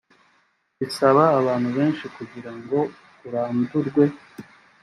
bisaba abantu benshi kugira ngo urandurwe